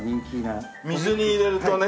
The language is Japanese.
水に入れるとね。